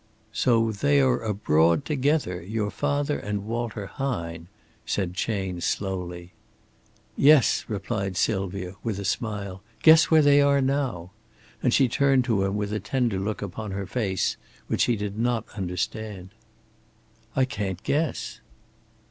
"So they are abroad together, your father and Walter Hine," said Chayne, slowly. "Yes!" replied Sylvia, with a smile. "Guess where they are now!" and she turned to him with a tender look upon her face which he did not understand. "I can't guess."